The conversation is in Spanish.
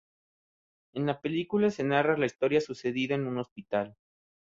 En la película se narra la historia sucedida en un hospital.